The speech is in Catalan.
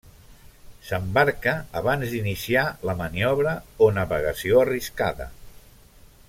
S'embarca abans d'iniciar la maniobra o navegació arriscada.